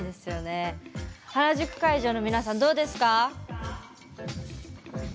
原宿会場の皆さんどうですか？